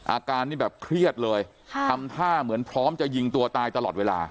อาการนี่แบบเครียดเลยทำท่าเหมือนพร้อมจะยิงตัวตายตลอดเวลา